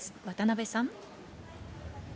渡邊さん。